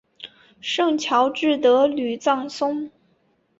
圣乔治德吕藏松。